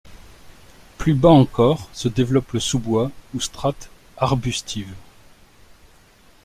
Plus bas encore se développe le sous-bois ou strate arbustive.